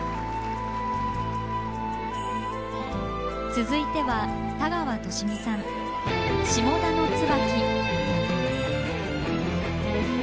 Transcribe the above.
続いては田川寿美さん「下田の椿」。